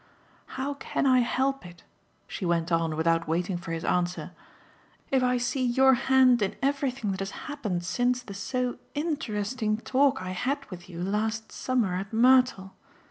How can I help it," she went on without waiting for his answer, "if I see your hand in everything that has happened since the so interesting talk I had with you last summer at Mertle?